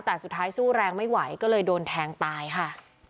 แต่สุดท้ายสู้แรงไม่ไหวก็เลยโดนแทงตายค่ะ